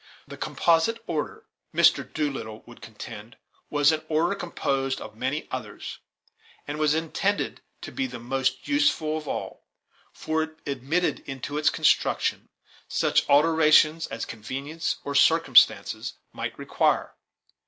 The composite order, Mr. Doolittle would contend, was an order composed of many others, and was intended to be the most useful of all, for it admitted into its construction such alterations as convenience or circumstances might require.